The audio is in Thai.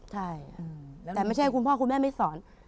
ใช่แต่ไม่ใช่คุณพ่อคุณแม่ไม่สอน